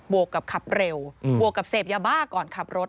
วกกับขับเร็วบวกกับเสพยาบ้าก่อนขับรถ